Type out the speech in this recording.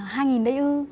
hai nghìn đầy ư